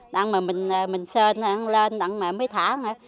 đang mà mình sơn lên đang mà mới thả nữa